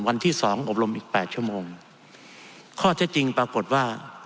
วันที่สองอบรมอีกแปดชั่วโมงข้อเท็จจริงปรากฏว่า